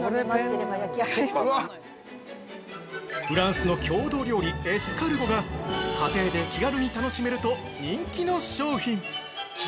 ◆フランスの郷土料理エスカルゴが家庭で気軽に楽しめると人気の商品。